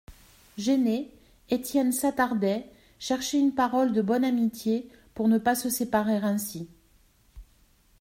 Gêné, Étienne s'attardait, cherchait une parole de bonne amitié, pour ne pas se séparer ainsi.